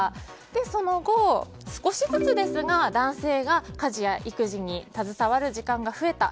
その後、少しずつですが男性が家事や育児に携わる時間が増えた。